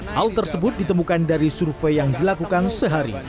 hal tersebut ditemukan dari survei yang dilakukan sehari